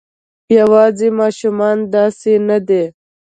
یواځې ماشومان داسې نه دي.